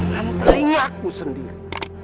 dengan telingaku sendiri